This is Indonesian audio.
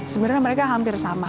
sebenarnya mereka hampir sama